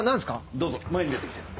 どうぞ前に出てきて。